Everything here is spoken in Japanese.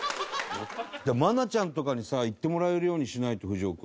愛菜ちゃんとかにさ行ってもらえるようにしないとふじお君。